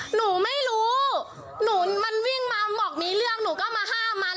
หนูไม่รู้หนูมันวิ่งมาบอกมีเรื่องหนูก็มาห้ามมัน